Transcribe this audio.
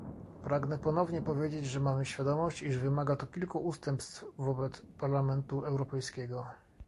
Pragnę ponownie powiedzieć, że mamy świadomość, iż wymaga to kilku ustępstw wobec Parlamentu Europejskiego